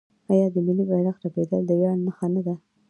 آیا د ملي بیرغ رپیدل د ویاړ نښه نه ده؟